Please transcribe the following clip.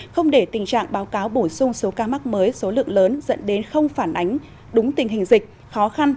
không để tình trạng báo cáo bổ sung số ca mắc mới số lượng lớn dẫn đến không phản ánh đúng tình hình dịch khó khăn